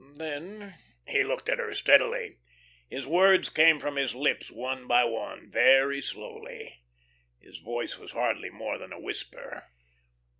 Then" he looked at her steadily. His words came from his lips one by one, very slowly. His voice was hardly more than a whisper.